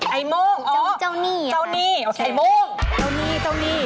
ไอโมงอ๋อไอโมงจ้าวหนี้จ้าวหนี้จ้าวหนี้จ้าวหนี้จ้าวหนี้